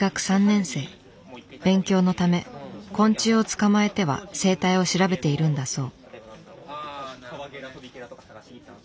勉強のため昆虫を捕まえては生態を調べているんだそう。